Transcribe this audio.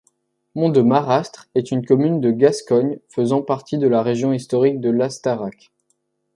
Mont-de-Marrast est une commune de Gascogne faisant partie de la région historique de l'Astarac.